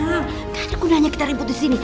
gak ada gunanya kita ribut di sini